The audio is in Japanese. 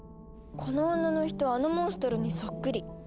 この女の人あのモンストロにそっくり。